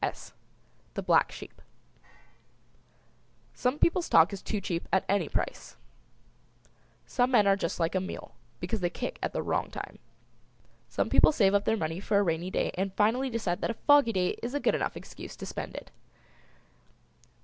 [Illustration: "S The black Sheep."] Some people's talk is too cheap at any price. Some men are just like a mule, because they kick at the wrong time. Some people save up their money for a rainy day and finally decide that a foggy day is a good enough excuse to spend it.